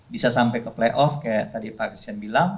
bisa sampai ke playoff kayak tadi pak christian bilang